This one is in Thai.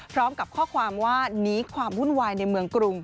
พร้อมกับข้อความว่านี้ความวุ่นวายในเมืองกรุง